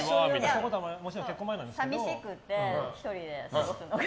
寂しくて１人で過ごすのが。